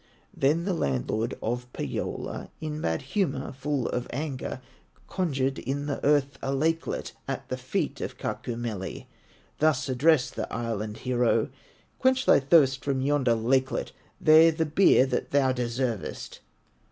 Then the landlord of Pohyola, In bad humor, full of anger, Conjured in the earth a lakelet, At the feet of Kaukomieli, Thus addressed the Island hero: "Quench thy thirst from yonder lakelet, There, the beer that thou deservest!"